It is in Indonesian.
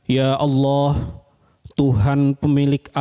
ya allah tuhan pemilik akun